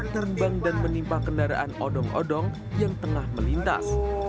terbang dan menimpa kendaraan odong odong yang tengah melintas